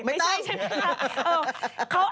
ไม่ต้อง